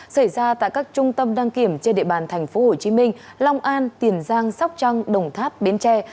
xảy ra tại các trung tâm đăng kiểm trên địa bàn tp hcm long an tiền giang sóc trăng đồng tháp bến tre